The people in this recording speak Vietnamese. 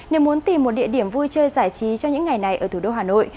nếu muốn tìm một địa điểm vui chơi giải trí cho những ngày này ở thủ đô hà nội